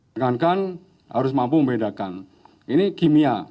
kita harus membedakan ini kimia